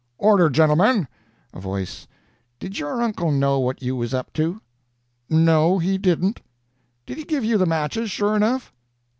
Order, gentlemen!" A voice: "Did your uncle know what you was up to?" "No, he didn't." "Did he give you the matches, sure enough?"